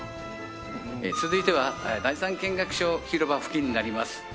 続いては第３見学所広場付近になります。